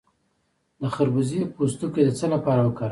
د خربوزې پوستکی د څه لپاره وکاروم؟